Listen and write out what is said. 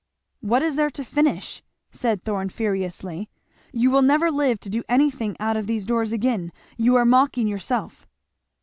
"What is there to finish?" said Thorn furiously; "you will never live to do anything out of these doors again you are mocking yourself."